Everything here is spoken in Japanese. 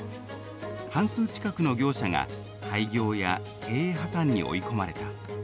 半数近くの業者が廃業や経営破綻に追い込まれた。